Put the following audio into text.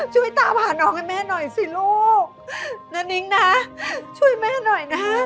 ช่วยตามหาน้องให้แม่หน่อยสิลูกนะนิ้งนะช่วยแม่หน่อยนะ